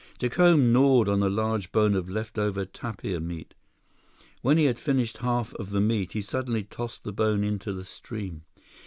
Jacome gnawed on a large bone of left over tapir meat. When he had finished half of the meat, he suddenly tossed the bone into the stream.